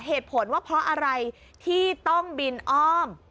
เหตุผลว่าเพราะอะไรที่ต้องบินอ้อม